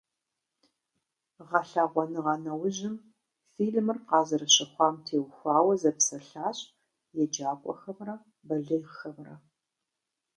Гъэлъэгъуэныгъэ нэужьым фильмыр къазэрыщыхъуам теухуауэ зэпсэлъащ еджакӀуэхэмрэ балигъхэмрэ.